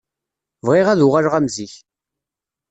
Bɣiɣ ad uɣaleɣ am zik.